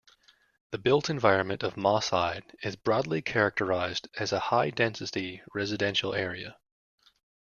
The built environment of Moss Side is broadly characterised as a high-density residential area.